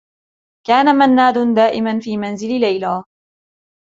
كان منّاد دائما في منزل ليلى.